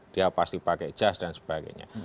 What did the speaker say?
dia pasti pakai jas dan sebagainya